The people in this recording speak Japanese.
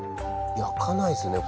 焼かないですよね